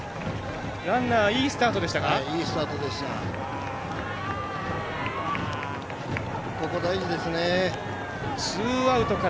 ランナーいいスタートでしたか？